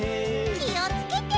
きをつけて。